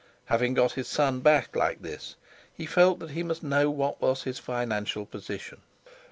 Having got his son back like this, he felt he must know what was his financial position.